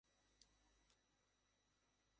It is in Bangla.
গেট খুলল না।